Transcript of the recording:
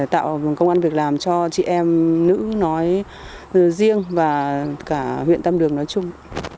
tạo công an việc làm cho chị em nữ nói riêng và cả huyện tam đường nói chung